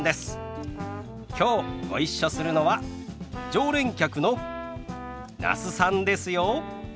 きょうご一緒するのは常連客の那須さんですよ。